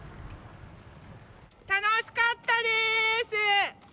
楽しかったでーす！